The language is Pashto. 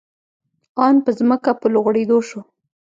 آن په ځمکه په لوغړېدو شو.